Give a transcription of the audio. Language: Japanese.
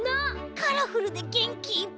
カラフルでげんきいっぱいだね。